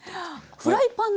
フライパンで？